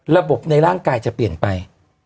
ในร่างกายจะเปลี่ยนไป